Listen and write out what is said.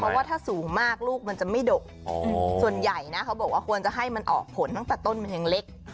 เพราะว่าถ้าสูงมากลูกมันจะไม่ดกส่วนใหญ่นะเขาบอกว่าควรจะให้มันออกผลตั้งแต่ต้นมันยังเล็ก